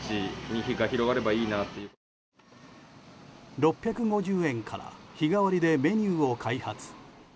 ６５０円から日替わりでメニューを開発。